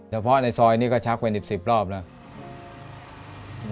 แต่เพราะในซอยนี่ก็ชักเป็น๑๐รอบแล้ว